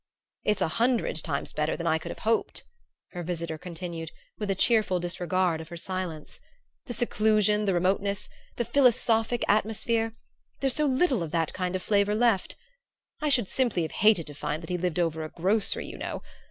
"It's a hundred times better than I could have hoped," her visitor continued, with a cheerful disregard of her silence. "The seclusion, the remoteness, the philosophic atmosphere there's so little of that kind of flavor left! I should have simply hated to find that he lived over a grocery, you know.